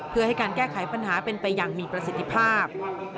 เพื่อให้การแก้ไขปัญหาเป็นไปอย่างมีประสิทธิภาพ